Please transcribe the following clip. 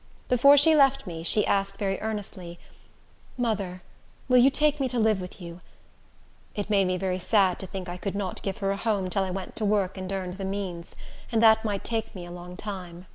Before she left me, she asked very earnestly, "Mother, will you take me to live with you?" It made me sad to think that I could not give her a home till I went to work and earned the means; and that might take me a long time.